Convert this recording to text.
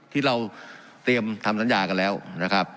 ที่เราเตรียมทำสัญญากันแล้วนะครับ